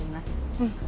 うん。